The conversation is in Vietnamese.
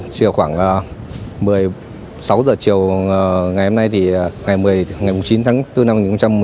trước khoảng một mươi sáu h chiều ngày hôm nay ngày một mươi chín tháng bốn năm hai nghìn một mươi chín